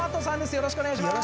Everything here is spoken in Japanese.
よろしくお願いします！